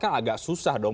kan agak susah dong